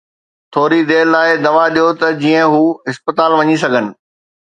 ٿوري دير لاءِ دوا ڏيو ته جيئن هو اسپتال وڃي سگهن.